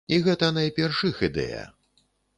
І гэта найперш іх ідэя.